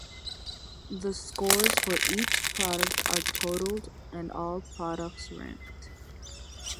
The scores for each product are totalled and all products ranked.